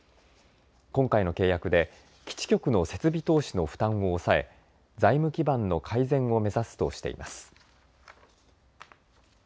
今回の契約で基地局の設備投資の負担を抑え、財務基盤の改善を目指すとしています。